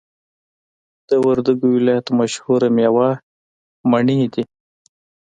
د وردګو ولایت مشهوره میوه مڼی دی